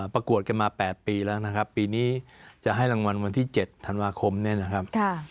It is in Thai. ประกวดกันมา๘ปีแล้วนะครับปีนี้จะให้รางวัลวันที่๗ธันวาคมเนี่ยนะครับ